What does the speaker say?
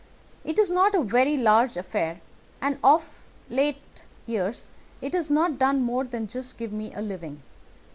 It's not a very large affair, and of late years it has not done more than just give me a living.